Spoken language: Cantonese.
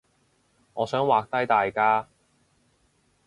我想畫低大家